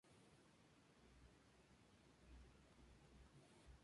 Sin embargo, esta notación es ahora estándar en todos los visores.